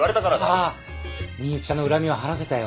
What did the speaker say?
ああミユキちゃんの恨みは晴らせたよ。